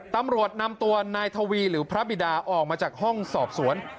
ตำรวจนำตัวนายทวีหรือพระบิดาออกมาจากห้องสอบสวน